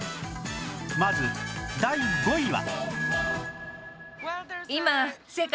まず第５位は